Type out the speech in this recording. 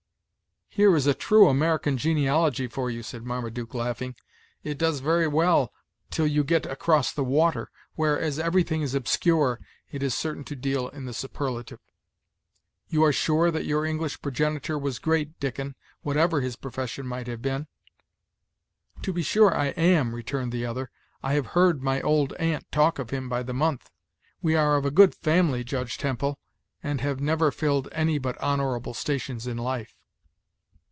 "Here is a true American genealogy for you," said Marmaduke, laughing. "It does very well till you get across the water, where, as everything is obscure, it is certain to deal in the superlative. You are sure that your English progenitor was great, Dickon, whatever his profession might have been?" "To be sure I am," returned the other. "I have heard my old aunt talk of him by the month. We are of a good family, Judge Temple, and have never filled any but honorable stations in life."